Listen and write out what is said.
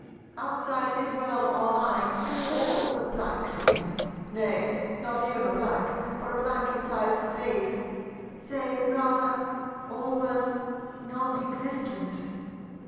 Outside his World, or Line, all was a blank to him; nay, not even a blank, for a blank implies Space; say, rather, all was non existent.